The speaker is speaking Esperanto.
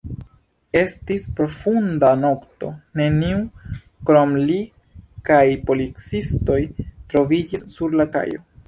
Estis profunda nokto, neniu krom li kaj policistoj troviĝis sur la kajo.